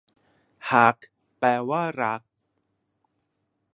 ฮัก แปลว่า รัก